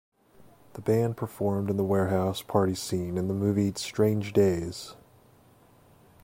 The band performed in the warehouse party scene in the movie "Strange Days".